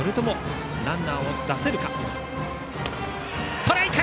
ストライク！